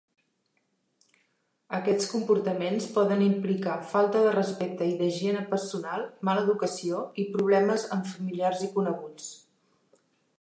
Aquests comportaments poden implicar falta de respecte i d'higiene personal, mala educació i problemes amb familiars i coneguts.